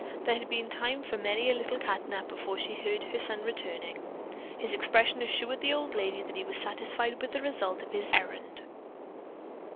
There had been time for many a little cat nap before she heard her son returning. His expression assured the old lady that he was satisfied with the result of his errand.